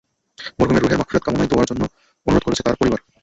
মরহুমের রুহের মাগফিরাত কামনায় দোয়া করার জন্য অনুরোধ করেছে তাঁর পরিবার।